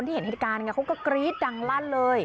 เห็นเหตุการณ์เขาก็กรี๊ดดังลั่นเลย